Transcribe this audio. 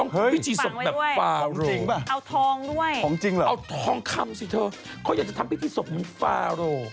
เฮ้ยฟังไว้ด้วยของจริงป่ะเอาทองด้วยเอาทองคำสิเถอะเขาอยากจะทำพิธีศพเหมือนฟ้าโลก